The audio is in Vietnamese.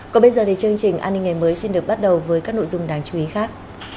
còn bây giờ thì chương trình an ninh ngày mới xin được bắt đầu với các nội dung đáng chú ý khác